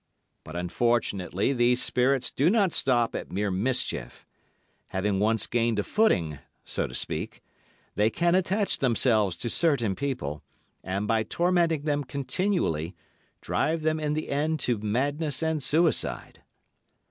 But unfortunately these spirits do not stop at mere mischief. Having once gained a footing, so to speak, they can attach themselves to certain people, and by tormenting them continually, drive them in the end to madness and suicide.